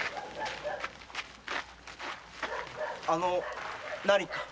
あの何か？